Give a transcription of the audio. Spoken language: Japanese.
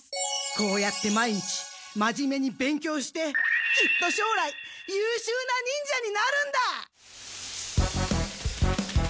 こうやって毎日真面目に勉強してきっとしょうらいゆうしゅうな忍者になるんだ！